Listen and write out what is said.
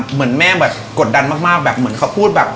เหมือนแม่แบบกดดันมากแบบเหมือนเขาพูดแบบ